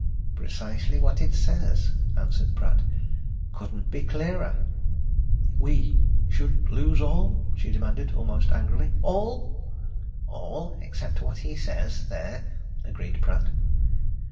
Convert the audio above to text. "Precisely what it says," answered Pratt. "Couldn't be clearer!" "We should lose all?" she demanded, almost angrily. "All?" "All except what he says there," agreed Pratt.